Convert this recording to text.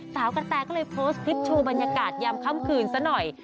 กระแตก็เลยโพสต์คลิปโชว์บรรยากาศยามค่ำคืนซะหน่อย